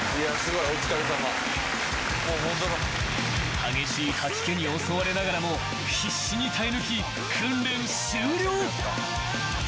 ［激しい吐き気に襲われながらも必死に耐え抜き訓練終了］